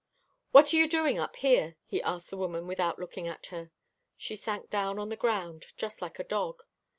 "What are you doing up here?" he asked the woman, without looking at her. She sank down on the ground, just like a dog.